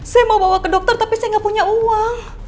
saya mau bawa ke dokter tapi saya nggak punya uang